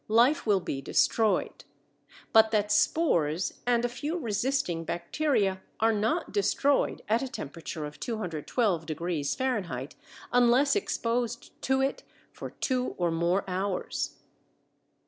life will be destroyed, but that spores and a few resisting bacteria are not destroyed at a temperature of 212° F., unless exposed to it for two or more hours.